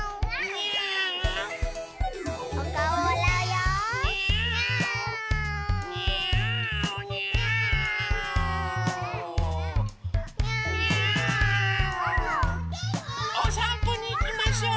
にゃお！おさんぽにいきましょう。